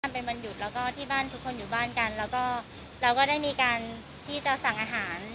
เป็นวันหยุดแล้วก็ที่บ้านทุกคนอยู่บ้านกันแล้วก็เราก็ได้มีการที่จะสั่งอาหาร